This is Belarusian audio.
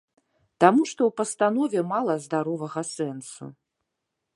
Таму што ў пастанове мала здаровага сэнсу.